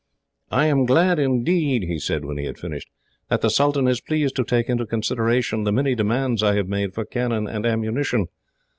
"I am glad indeed," he said, when he had finished, "that the sultan is pleased to take into consideration the many demands I have made for cannon and ammunition.